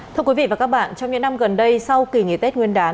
thưa quý vị và các bạn trong những năm gần đây sau kỳ nghỉ tết nguyên đán